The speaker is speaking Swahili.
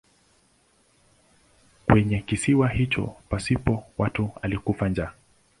Kwenye kisiwa hicho pasipo watu alikufa njaa.